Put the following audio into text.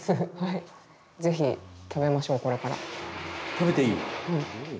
食べていい？